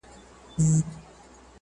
او نورو تر ټولو غوره شعر ولیکي